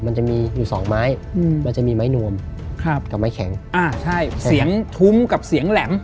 มันจะมีไม้หนวมครับกับไม้แข็งอ่าใช่เสียงทุ่มกับเสียงแหลม